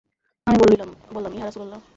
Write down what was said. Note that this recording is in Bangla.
আমি বললাম, ইয়া রাসূলাল্লাহ!